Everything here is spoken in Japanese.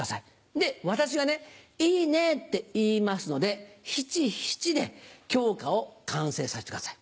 で私がね「いいね」って言いますので七・七で狂歌を完成させてください。